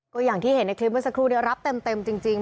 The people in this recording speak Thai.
ก็อย่างที่เห็นในคลิปเมื่อสักครู่รับเต็มจริง